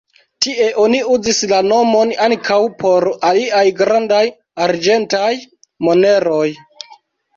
Tie oni uzis la nomon ankaŭ por aliaj grandaj arĝentaj moneroj.